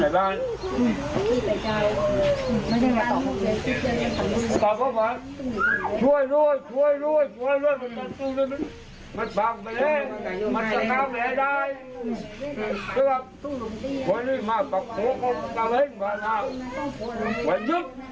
ก็แบบเมื่อก่อนก็ยังไง